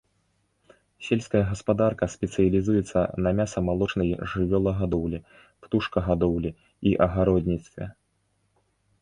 Сельская гаспадарка спецыялізуецца на мяса-малочнай жывёлагадоўлі, птушкагадоўлі і агародніцтве.